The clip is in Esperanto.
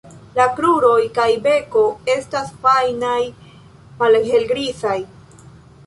La kruroj kaj beko estas fajnaj, malhelgrizaj.